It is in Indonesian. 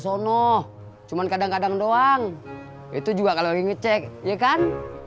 sono cuman kadang kadang doang itu juga kalau ngecek ya kan